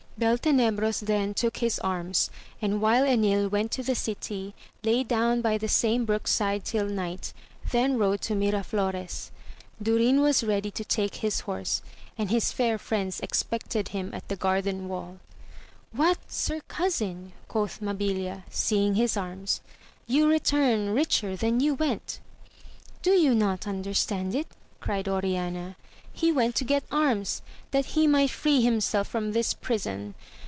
Beltenebros then took his arms, and while Enil went to the city, lay down by the same brook side till night, then rode to Miraflores. 40 AMADIS OF GAUL. Durin was ready to take his horse, and his fair friends expected him at the garden wall. What, sir cousin 1 quoth Mabilia, seeing his arms, you return richer than you went. Do you not understand it ? cried Oriana, he went to get arms, that he might free himself from this prison.